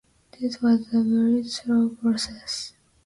This was a very slow process.